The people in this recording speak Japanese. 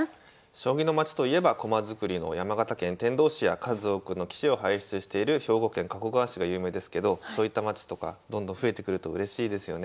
将棋の町といえば駒作りの山形県天童市や数多くの棋士を輩出している兵庫県加古川市が有名ですけどそういった町とかどんどん増えてくるとうれしいですよね。